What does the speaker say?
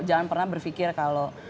jangan pernah berfikir kalau